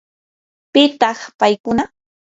¿pitaq paykuna?